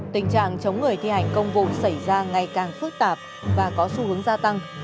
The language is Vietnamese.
tình trạng chống người thi hành công vụ xảy ra ngày càng phức tạp và có xu hướng gia tăng